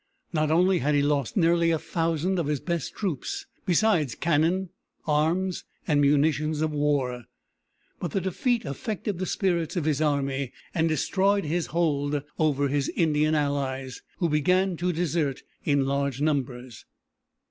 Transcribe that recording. Not only had he lost nearly a thousand of his best troops, besides cannon, arms, and munitions of war, but the defeat affected the spirits of his army and destroyed his hold over his Indian allies, who began to desert in large numbers.